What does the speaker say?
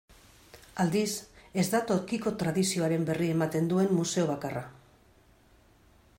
Aldiz, ez da tokiko tradizioaren berri ematen duen museo bakarra.